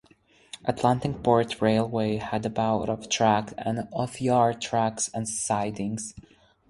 Atlantic Port Railway had about of tracks and of yard tracks and sidings.